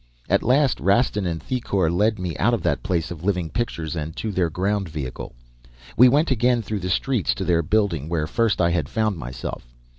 "At last Rastin and Thicourt led me out of that place of living pictures and to their ground vehicle. We went again through the streets to their building, where first I had found myself.